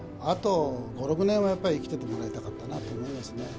あと５、６年はやっぱり生きててもらいたかったなと思いますね。